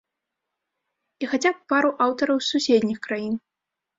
І хаця б пару аўтараў з суседніх краін.